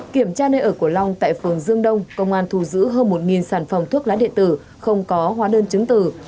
kiểm tra nơi ở của long tại phường dương đông công an thu giữ hơn một sản phẩm thuốc lá điện tử không có hóa đơn chứng tử